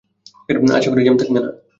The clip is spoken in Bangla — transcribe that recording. আশা করি জ্যাম থাকবে না।